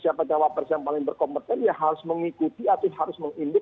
siapa capres yang paling berkompetensi ya harus mengikuti atau harus mengindik